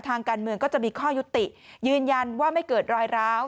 ทางการเมืองก็จะมีข้อยุติยืนยันว่าไม่เกิดรอยร้าว